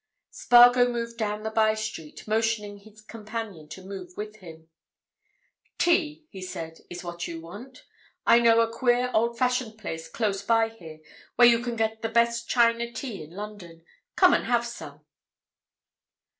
Spargo moved down the by street, motioning his companion to move with him. "Tea," he said, "is what you want. I know a queer, old fashioned place close by here where you can get the best China tea in London. Come and have some."